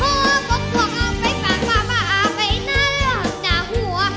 หัวบกพวกเอาไปปากป่าป่าไปน่ารักหน่าหัว